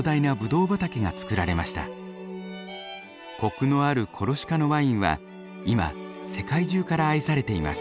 コクのあるコルシカのワインは今世界中から愛されています。